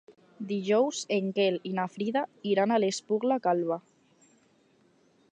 Dijous en Quel i na Frida iran a l'Espluga Calba.